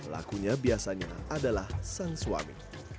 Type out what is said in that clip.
lakunya biasanya adalah sang suami